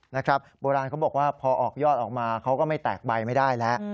นะครับโบราณเขาบอกว่าพอออกยอดออกมาเขาก็ไม่แตกใบไม่ได้แล้ว